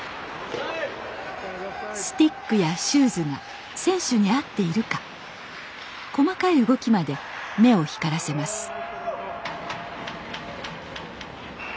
スティックやシューズが選手に合っているか細かい動きまで目を光らせます